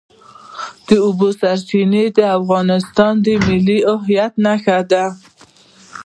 د اوبو سرچینې د افغانستان د ملي هویت نښه ده.